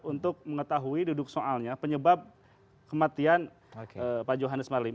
untuk mengetahui duduk soalnya penyebab kematian pak johannes marlim